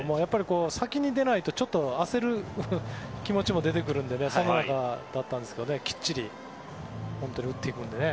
先に出ないとちょっと焦る気持ちも出てくるのでそんな中だったんですけどきっちり打っていくのでね